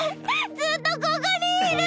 ずっとここにいる！